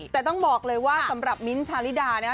แต่ต้องบอกเลยว่าสำหรับมิ้นท์ชาลิดานะฮะ